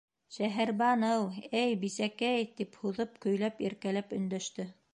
— Шәһәрбаныу, әй, бисәкәй!.. — тип һуҙып көйләп, иркәләп өндәште.